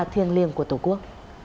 thiên liêng của tổ quốc